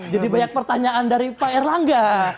jadi banyak pertanyaan dari pak erlangga